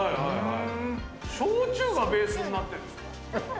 焼酎がベースになってるんですか？